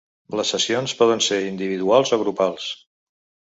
Les sessions poden ser individuals o grupals.